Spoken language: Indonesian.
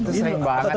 itu sering banget